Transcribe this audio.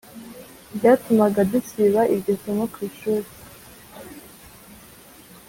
byatumaga dusiba iryo somo ku ishuri